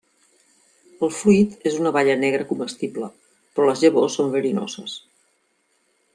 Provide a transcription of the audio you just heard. El fruit és una baia negra comestible, però les llavors són verinoses.